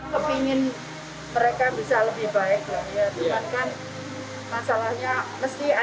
kepingin mereka bisa lebih baik lah ya